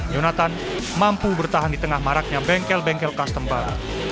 yonatan mampu bertahan di tengah maraknya bengkel bengkel custom baru